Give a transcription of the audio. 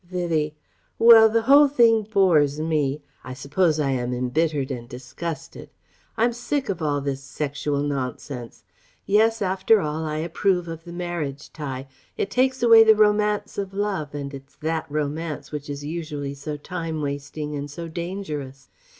Vivie: "Well the whole thing bores me ... I suppose I am embittered and disgusted. I'm sick of all this sexual nonsense.... Yes, after all, I approve of the marriage tie: it takes away the romance of love, and it's that romance which is usually so time wasting and so dangerous.